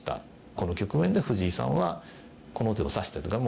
この局面で藤井さんはこの手を指したというか。